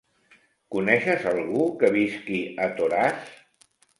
Coneixes algú que visqui a Toràs?